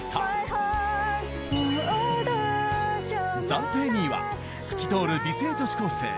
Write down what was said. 暫定２位は透き通る美声女子高生